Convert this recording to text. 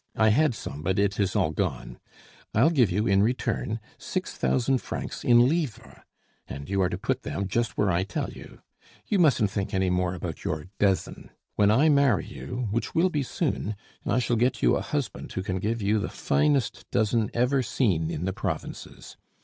I had some, but it is all gone. I'll give you in return six thousand francs in livres, and you are to put them just where I tell you. You mustn't think anything more about your 'dozen.' When I marry you (which will be soon) I shall get you a husband who can give you the finest 'dozen' ever seen in the provinces.